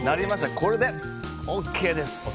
これでＯＫです。